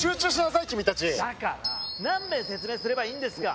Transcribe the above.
だから何遍説明すればいいんですか！